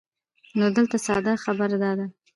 نو دلته ساده خبره دا ده